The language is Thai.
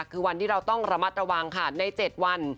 คือวันที่เราต้องระมัดระวังค่ะใน๗วัน